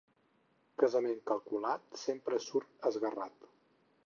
Casament calculat sempre surt esguerrat.